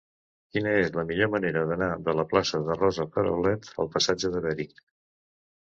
Quina és la millor manera d'anar de la plaça de Rosa Peraulet al passatge de Bering?